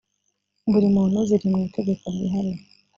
buri muntu ziri mu itegeko ryihariye